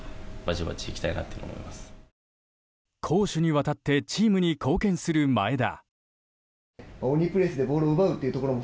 攻守にわたってチームに貢献する前田。